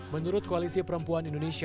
menurut koalisi perempuan indonesia